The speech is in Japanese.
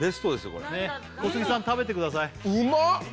これ小杉さん食べてください